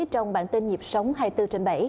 trong bản tin nhịp sống hai mươi bốn trên bảy